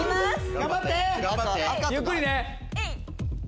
ゆっくりね！